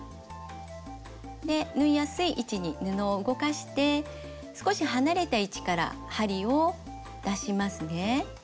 で縫いやすい位置に布を動かして少し離れた位置から針を出しますね。